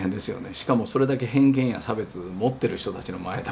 しかもそれだけ偏見や差別持ってる人たちの前だから。